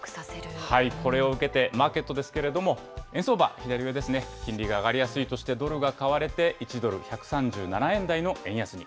これを受けて、マーケットですけれども、円相場、左上ですね、金利が上がりやすいとして、ドルが買われて、１ドル１３７円台の円安に。